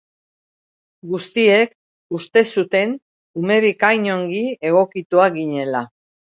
Guztiek uste zuten ume bikain ongi egokituak ginela.